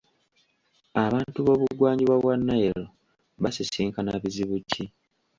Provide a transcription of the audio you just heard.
Abantu b'obugwanjuba bwa Nile basisinkana bizibu ki ?